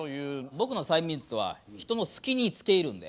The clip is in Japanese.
僕の催眠術は人の隙につけいるんで。